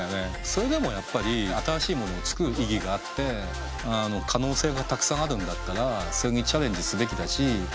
それでもやっぱり新しいものを作る意義があって可能性がたくさんあるんだったらそれにチャレンジすべきだし。